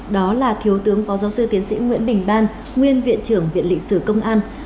đó là thiếu tướng phó giáo sư tiến sĩ nguyễn bình ban nguyên viện trưởng viện lịch sử công an